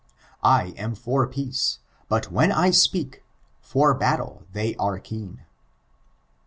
" I am for petoe, bat when I ipeak^ For battle they are keen."